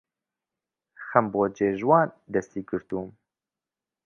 خەم بۆ جێژوان دەستی گرتووم